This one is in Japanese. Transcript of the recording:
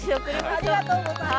ありがとうございます！